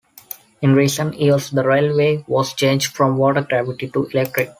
In recent years the railway was changed from water gravity to electric.